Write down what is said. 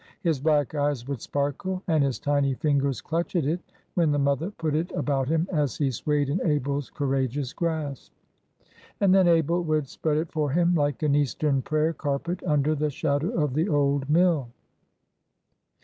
His black eyes would sparkle, and his tiny fingers clutch at it, when the mother put it about him as he swayed in Abel's courageous grasp. And then Abel would spread it for him, like an eastern prayer carpet, under the shadow of the old mill.